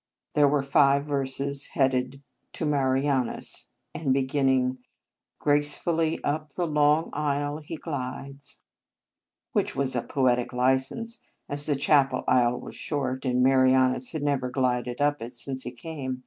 There were five verses, headed "To Marianus," and beginning, " Gracefully up the long aisle he glides," which was a poetic license, as the chapel aisle was short, and Marianus had never glided up it since he came.